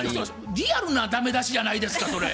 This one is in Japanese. リアルな駄目出しじゃないですかそれ。